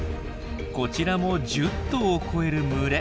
こちらも１０頭を超える群れ。